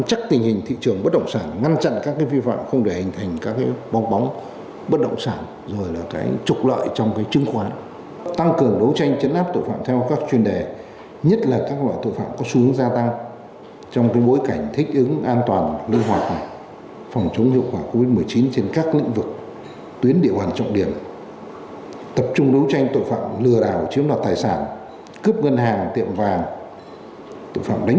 tập trung đấu tranh tội phạm lừa đảo chiếm nọt tài sản cướp ngân hàng tiệm vàng tội phạm đánh bạc tội phạm của các băng nhóm lưu động băng nhóm tín dụng đen đòi nợ xiếp nợ bảo kê cướp nọt tài sản